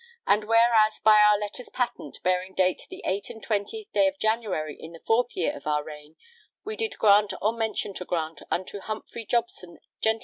And whereas by our letters patent bearing date the eight and twentieth day of January in the fourth year of our reign we did grant or mention to grant unto Humfrey Jobson gent.